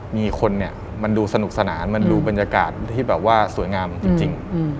มีคนดูสนุกสนานมันดูบรรยากาศที่สวยงามจริง